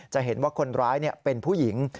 จะเห็นว่าคนร้ายเป็นผู้หญิง